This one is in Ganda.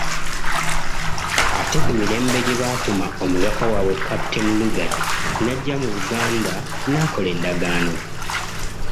Ate ku mirembe gye baatuma omubaka waabwe Captain Lugard, n'ajja mu Buganda n'akola Endagaano.